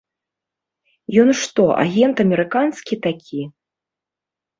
Ён што, агент амерыканскі такі?